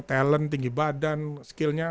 talent tinggi badan skill nya